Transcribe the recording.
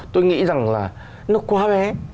tôi nghĩ rằng là nó quá bé